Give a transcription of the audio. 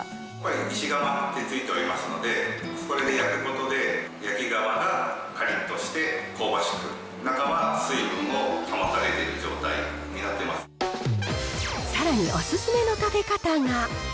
石窯ってついておりますので、それで焼くことで、焼き皮がかりっとした、香ばしく、中は水分を保たれている状態にさらにお勧めの食べ方が。